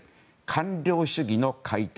官僚主義の解体。